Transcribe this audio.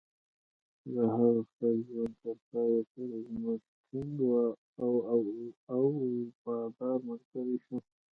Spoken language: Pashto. هغه د خپل ژوند تر پایه پورې زموږ ټینګ او وفادار ملګری شو.